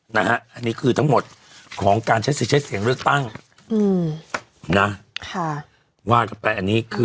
นะฮะอันนี้คือทั้งหมดของการใช้สิทธิ์ใช้เสียงเลือกตั้งอืมนะค่ะว่ากันไปอันนี้คือ